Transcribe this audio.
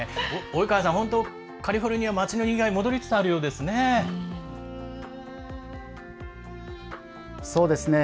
及川さんカリフォルニア街のにぎわいが戻りつつあるようですね。